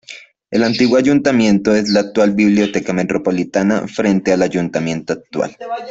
El antiguo ayuntamiento es la actual Biblioteca Metropolitana, frente al ayuntamiento actual.